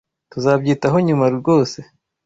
Tuzabyitaho nyuma ryose.